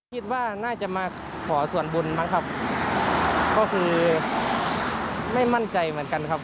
คิดว่าน่าจะมาขอส่วนบุญบ้างครับก็คือไม่มั่นใจเหมือนกันครับ